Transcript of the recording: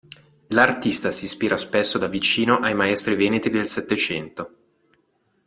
L'artista si ispira spesso da vicino ai maestri veneti del Settecento.